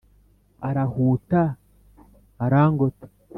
arahuta arangota